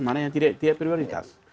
mana yang tidak prioritas